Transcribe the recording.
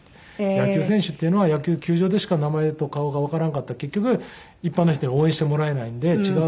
野球選手っていうのは球場でしか名前と顔がわからんかったら結局一般の人に応援してもらえないんで違う